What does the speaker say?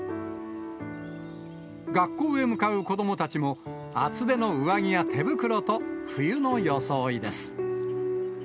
学校へ向かう子どもたちも、厚手の上着や手袋と、冬の装いです。